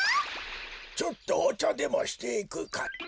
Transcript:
ちょっとおちゃでもしていくかっと。